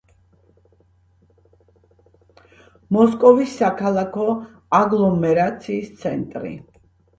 მოსკოვის საქალაქო აგლომერაციის ცენტრი.